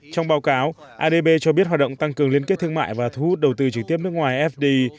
trong báo cáo adb cho biết hoạt động tăng cường liên kết thương mại và thu hút đầu tư trực tiếp nước ngoài fdi